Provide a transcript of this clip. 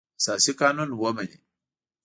اساسي قانون ومني.